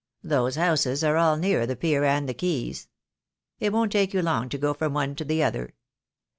"Those houses are all near the pier and the quays. It won't take you long to go from one to the other.